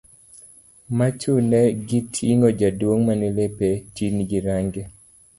ma chune gi ting'o jaduong' mane lepe tin gi range